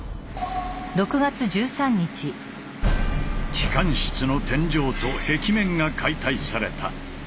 機関室の天井と壁面が解体された。